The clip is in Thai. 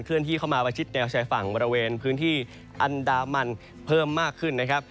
ที่เข้ามาประชิดแนวชายฝั่งบริเวณพื้นที่อันดามันเพิ่มมากขึ้นนะครับ